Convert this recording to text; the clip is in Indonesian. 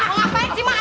ngapain sih ma